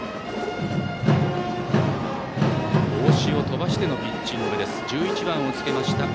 帽子を飛ばしてのピッチングです